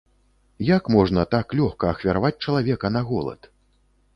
Як можна так лёгка ахвяраваць чалавека на голад?